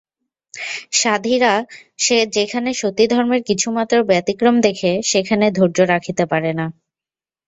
সাধ্বীরা যেখানে সতীধর্মের কিছুমাত্র ব্যতিক্রম দেখে সেখানে ধৈর্য রাখিতে পারে না।